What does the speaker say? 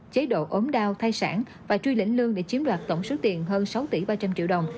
chế độ ốm đau thai sản và truy lĩnh lương để chiếm đoạt tổng số tiền hơn sáu tỷ ba trăm linh triệu đồng